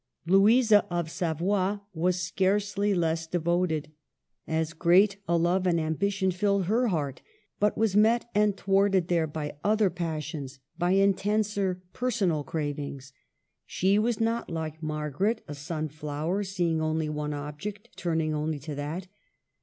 Louisa of Savoy was scarcely less devoted. As great a love and ambition filled her heart, but was met and thwarted there by other pas sions, by intenser personal cravings. She was not like Margaret, a sunflower, seeing only one object, turning only to that.